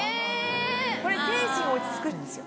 これで精神落ち着くんですよ